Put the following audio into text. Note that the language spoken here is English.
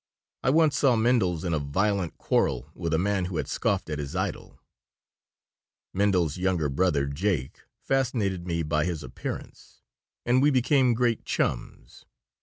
I once saw Mindels in a violent quarrel with a man who had scoffed at his idol Mindels's younger brother, Jake, fascinated me by his appearance, and we became great chums.